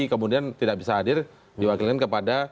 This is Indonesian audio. kemudian tidak bisa hadir diwakilin kepada